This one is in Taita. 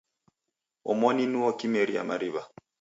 Omoni nuo kimeria mariw'a.